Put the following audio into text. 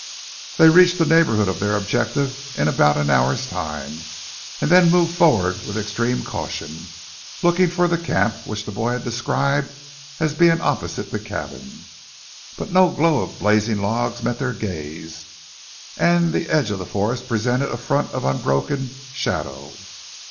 They reached the neighbourhood of their objective in about an hour's time, and then moved forward with extreme caution, looking for the camp which the boy had described as being opposite the cabin. But no glow of blazing logs met their gaze, and the edge of the forest presented a front of unbroken shadow.